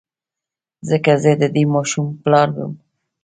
ځکه زه د دې ماشوم پلار وم.